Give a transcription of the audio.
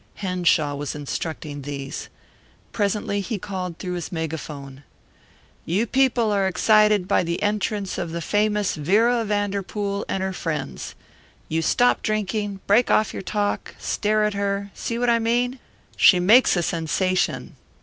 Henshaw was instructing these. Presently he called through his megaphone: "You people are excited by the entrance of the famous Vera Vanderpool and her friends. You stop drinking, break off your talk, stare at her see what I mean? she makes a sensation.